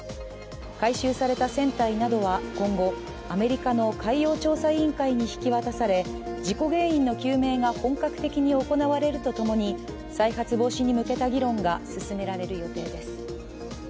回収された船体などは今後、アメリカの海洋調査委員会に引き渡され事故原因の究明が本格的に行われるとともに再発防止に向けた議論が進められる予定です。